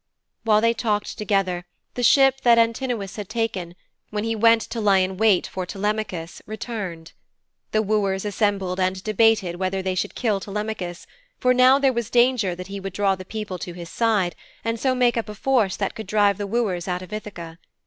While they talked together the ship that Antinous had taken, when he went to lie in wait for Telemachus, returned. The wooers assembled and debated whether they should kill Telemachus, for now there was danger that he would draw the people to his side, and so make up a force that could drive the wooers out of Ithaka.